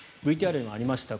ＶＴＲにもありました